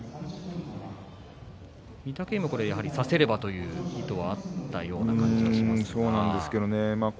御嶽海は差せればという意図があったような感じがそうなんですけれどね。